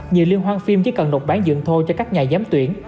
nhiều liên hoan phim chỉ cần đột bán dựng thô cho các nhà giám tuyển